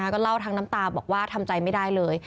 ก็เล่าทั้งน้ำตาบอกว่าทำใจไม่ได้เลย